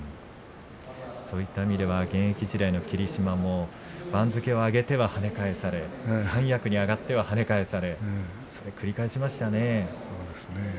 そういった意味では現役時代の霧島も番付を上げては跳ね返され三役に上がっては跳ね返されを繰り返しましたね。